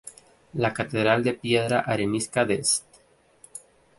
La catedral de la piedra arenisca de St.